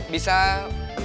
ya kepada para peserta